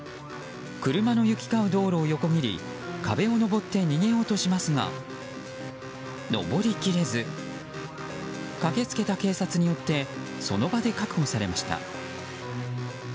車の行き交う道路を横切り壁を登って逃げようとしますが登りきれず駆け付けた警察によってその場で確保されました。